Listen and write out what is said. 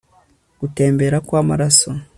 gutembera kw'amaraso